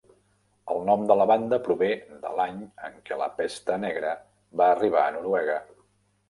El nom de la banda prové de l'any en què la Pesta Negra va arribar a Noruega.